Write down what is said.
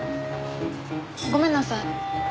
ごめんなさい。